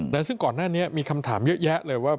และซึ่งก่อนหน้านี้มีคำถามเยอะแยะเลยว่า